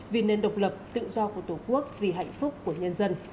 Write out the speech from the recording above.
vì nền độc lập tự do của tổ quốc vì hạnh phúc của nhân dân